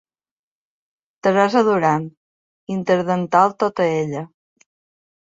Teresa Duran, interdental tota ella.